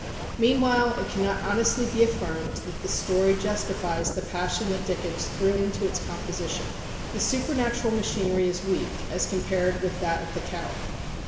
Meanwhile it cannot honestly be affirmed that the story justifies the passion that Dickens threw into its composition. The supernatural machinery is weak as compared with that of the "Carol."